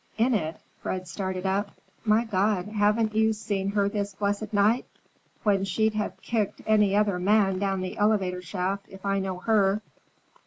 "In it?" Fred started up. "My God, haven't you seen her this blessed night?—when she'd have kicked any other man down the elevator shaft, if I know her.